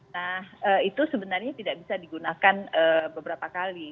nah itu sebenarnya tidak bisa digunakan beberapa kali